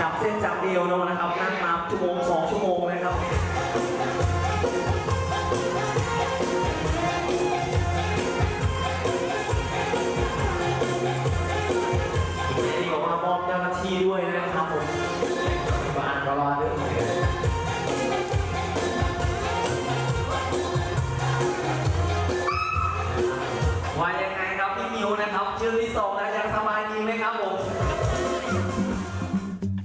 ว่าอย่างไรครับมีคุณนะครับชื่อมมันสมัยดีไหมครับผม